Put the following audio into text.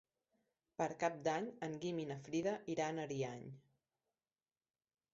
Per Cap d'Any en Guim i na Frida iran a Ariany.